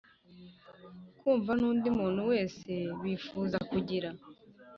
kumva n undi muntu wese bifuza kugira